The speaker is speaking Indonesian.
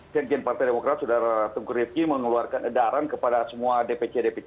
sekjen partai demokrat sudara teguh rifki mengeluarkan edaran kepada semua dpc dpc